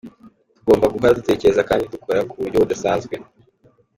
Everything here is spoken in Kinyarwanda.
Tugomba guhora dutekereza kandi dukora ku buryo budasanzwe.